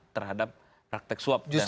terhadap praktek swab dan gratifikasi